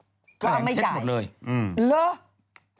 อ็าวไม่จ่ายแทล้งเช็ทหมดเลย